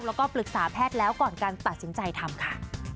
แล้วก็ปรึกษาแพทย์แล้วก่อนการตัดสินใจทำค่ะ